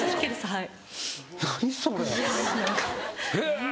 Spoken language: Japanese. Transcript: はい。